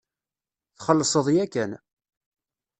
Txellṣeḍ yakan.